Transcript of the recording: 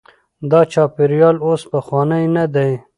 دا چاپیریال اوس پخوانی نه دی.